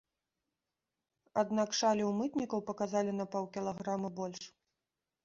Аднак шалі ў мытнікаў паказалі на паўкілаграма больш.